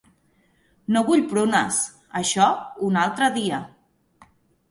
No vull prunes, això, un altre dia.